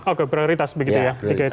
oke prioritas begitu ya